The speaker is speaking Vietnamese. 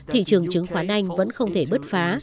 thị trường chứng khoán anh vẫn không thể bứt phá